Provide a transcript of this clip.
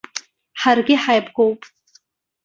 Ҳаргьы ҳаибгоуп.